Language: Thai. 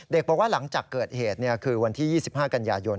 บอกว่าหลังจากเกิดเหตุคือวันที่๒๕กันยายน